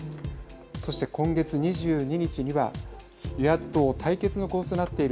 そして今月２２日には与野党対決の構図になっている